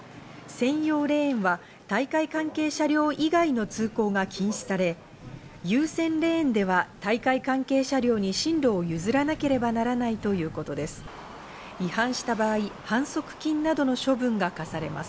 専用レーンは大会関係車両以外の通行が禁止され、優先レーンでは大会関係車両に進路を譲らなければならないということです。